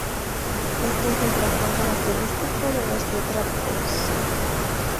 Este es el patrón característico de los tetrápodos.